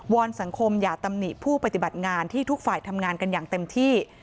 อนสังคมอย่าตำหนิผู้ปฏิบัติงานที่ทุกฝ่ายทำงานกันอย่างเต็มที่